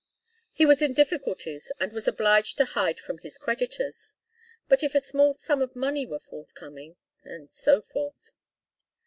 He was in difficulties, and was obliged to hide from his creditors; but if a small sum of money were forthcoming and so forth.